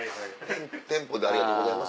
テンポで「ありがとうございます」